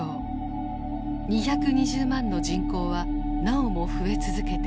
２２０万の人口はなおも増え続けていた。